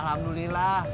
tidak peduli lah